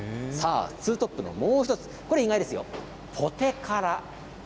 ツートップのもう１つ、これは意外ですよ、ポテから。